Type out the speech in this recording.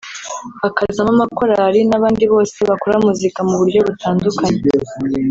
hakazamo amakorali n’abandi bose bakora muzika mu buryo butandukanye